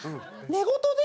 寝言で？